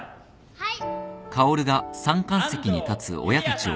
はい。